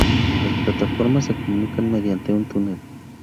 Las plataformas se comunican mediante un túnel.